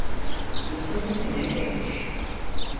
Mussolini ne demiş?